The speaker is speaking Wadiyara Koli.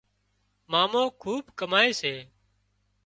مامو کُوٻ ڪامائي سي